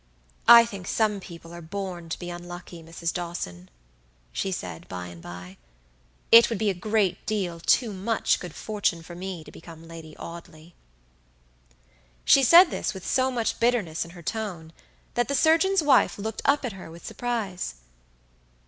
"I think some people are born to be unlucky, Mrs. Dawson," she said, by and by; "it would be a great deal too much good fortune for me to become Lady Audley." She said this with so much bitterness in her tone, that the surgeon's wife looked up at her with surprise.